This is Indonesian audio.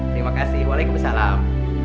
terima kasih waalaikumsalam